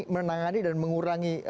menangani dan mengurangi